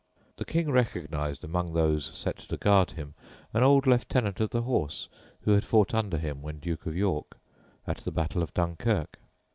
The King recognised among those set to guard him an old lieutenant of the Horse who had fought under him, when Duke of York, at the battle of Dunkirk.